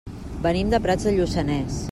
Venim de Prats de Lluçanès.